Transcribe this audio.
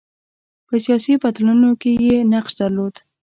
په سیاسي بدلونونو کې یې نقش درلود.